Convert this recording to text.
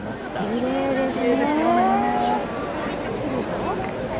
きれいですね。